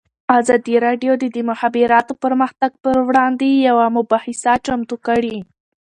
ازادي راډیو د د مخابراتو پرمختګ پر وړاندې یوه مباحثه چمتو کړې.